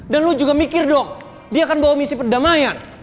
dan lu juga mikir dong dia akan bawa misi perdamaian